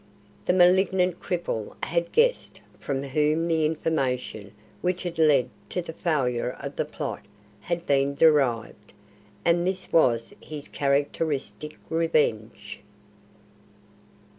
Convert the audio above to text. The malignant cripple had guessed from whom the information which had led to the failure of the plot had been derived, and this was his characteristic revenge.